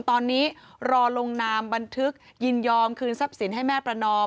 ตอนนี้รอลงนามบันทึกยินยอมคืนทรัพย์สินให้แม่ประนอม